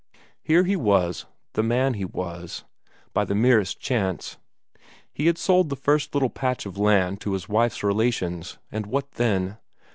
Here he was, the man he was, by the merest chance. He had sold the first little patch of land to his wife's relations, and what then?